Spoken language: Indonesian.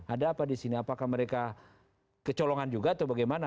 ada apa di sini apakah mereka kecolongan juga atau bagaimana